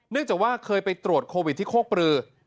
จากว่าเคยไปตรวจโควิดที่โคกปลือ